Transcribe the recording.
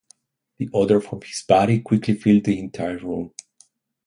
The odor from his body quickly filled the entire room.